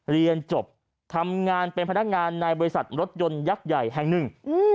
เรียนจบทำงานเป็นพนักงานในบริษัทรถยนต์ยักษ์ใหญ่แห่งหนึ่ง